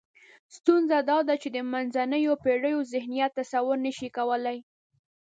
ستونزه دا ده چې منځنیو پېړیو ذهنیت تصور نشي کولای.